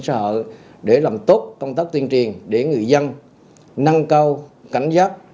xã hợi để làm tốt công tác tuyên truyền để người dân năng cao cảnh giác